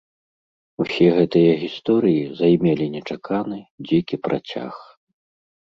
Усе гэтыя гісторыі займелі нечаканы, дзікі працяг!